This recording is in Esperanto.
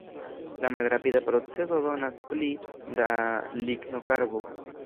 La malrapida procedo donas pli da lignokarbo.